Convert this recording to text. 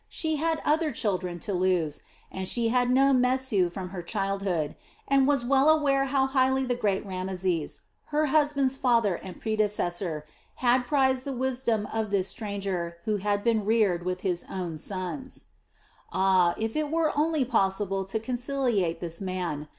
She had other children to lose, and she had known Mesu from her childhood, and was well aware how highly the great Rameses, her husband's father and predecessor, had prized the wisdom of this stranger who had been reared with his own sons. Ah, if it were only possible to conciliate this man.